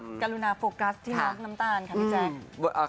กรุณาโฟกัสที่น้องน้ำตาลค่ะพี่แจ๊ค